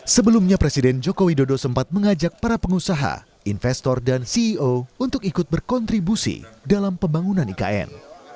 sebelumnya presiden joko widodo sempat mengajak para pengusaha investor dan ceo untuk ikut berkontribusi dalam pembangunan ikn